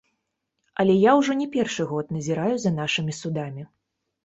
Але я ўжо не першы год назіраю за нашымі судамі.